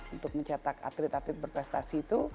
untuk mencetak atlet atlet berprestasi itu